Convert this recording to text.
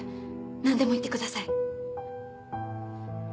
なんでも言ってください。